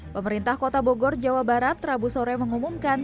pemerintah kota bogor jawa barat rabu sore mengumumkan